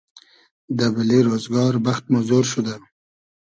دۂ بئلې رۉزگار بئخت مۉ زۉر شودۂ